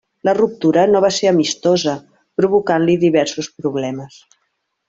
La ruptura no va ser amistosa, provocant-li diversos problemes.